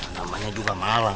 namanya juga malah